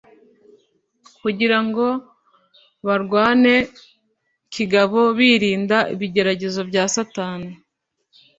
kugira ngo barwane kigabo birinda ibigeragezo bya Satani